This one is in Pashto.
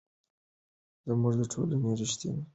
زموږ ټولنه رښتیني کار ته اړتیا لري.